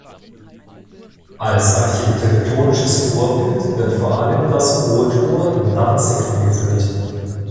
Als architektonisches Vorbild wird vor allem das Hohe Tor in Danzig angeführt.